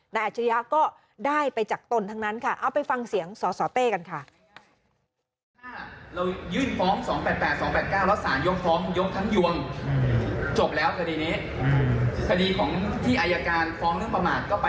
อัจฉริยะก็ได้ไปจากตนทั้งนั้นค่ะเอาไปฟังเสียงสสเต้กันค่ะ